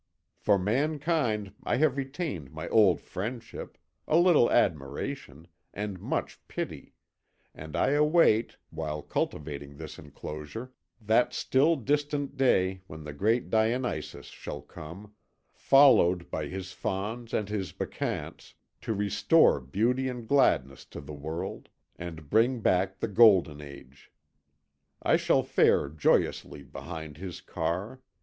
For mankind I have retained my old friendship, a little admiration, and much pity, and I await, while cultivating this enclosure, that still distant day when the great Dionysus shall come, followed by his Fauns and his Bacchantes, to restore beauty and gladness to the world, and bring back the Golden Age. I shall fare joyously behind his car.